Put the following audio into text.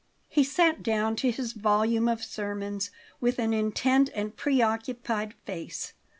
He sat down to his volume of sermons with an intent and preoccupied face.